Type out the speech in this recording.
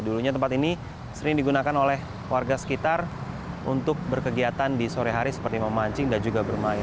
dulunya tempat ini sering digunakan oleh warga sekitar untuk berkegiatan di sore hari seperti memancing dan juga bermain